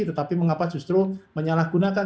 tetapi mengapa justru menyalahgunakan